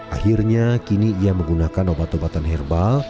akhirnya kini ia menggunakan obat obatan herbal